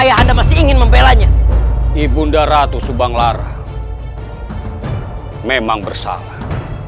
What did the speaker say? ayahanda masih ingin mempelanya ibunda ratu subanglarang memang bersalah